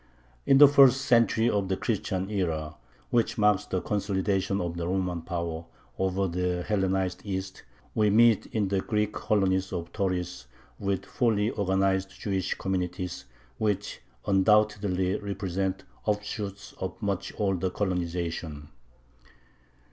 In the first century of the Christian era, which marks the consolidation of the Roman power over the Hellenized East, we meet in the Greek colonies of Tauris with fully organized Jewish communities, which undoubtedly represent offshoots of a much older colonization.